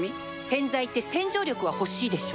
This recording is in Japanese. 洗剤って洗浄力は欲しいでしょ